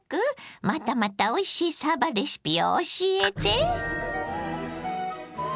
またまたおいしいさばレシピを教えて。